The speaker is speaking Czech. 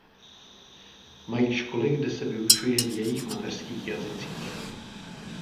Mají školy, kde se vyučuje v jejich mateřských jazycích.